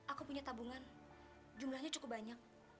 aku punya tabungan jumlahnya cukup banyak